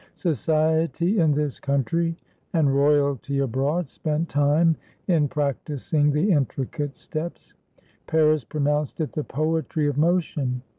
Society in this country and royalty abroad spent time in practicing the intricate steps. Paris pronounced it the "poetry of motion."